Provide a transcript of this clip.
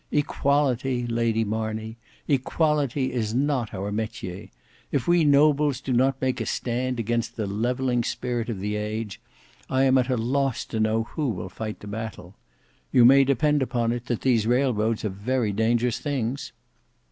Equality, Lady Marney, equality is not our metier. If we nobles do not make a stand against the levelling spirit of the age, I am at a loss to know who will fight the battle. You many depend upon it that these railroads are very dangerous things."